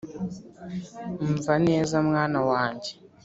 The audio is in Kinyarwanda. umva neza mwana wanjye